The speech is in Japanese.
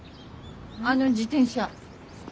あの自転車。